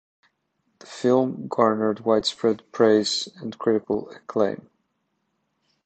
The film garnered widespread praise and critical acclaim.